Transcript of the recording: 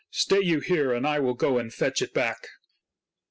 Stay you here, and I will go and fetch it back."